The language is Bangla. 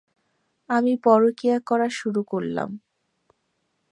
আমি পরকীয়া করা শুরু করলাম।